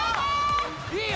いいよ！